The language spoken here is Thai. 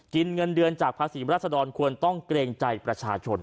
เงินเดือนจากภาษีรัศดรควรต้องเกรงใจประชาชน